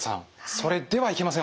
それではいけませんよね。